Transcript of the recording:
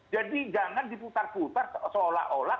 jangan diputar putar seolah olah